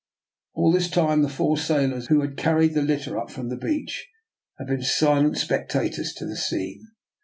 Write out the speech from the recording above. All this time the four sailors, who had car ried the litter up from the beach, had been si lent spectators of the scene.